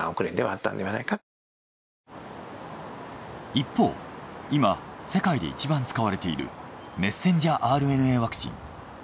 一方今世界で一番使われているｍＲＮＡワクチン。